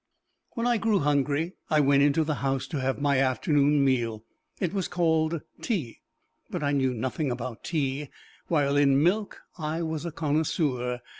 When I grew hungry, I went into the house to have my afternoon meal. It was called tea, but I knew nothing about tea, while in milk I was a connoisseur.